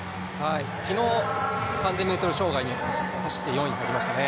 昨日、３０００ｍ障害走って４位に入りましたね。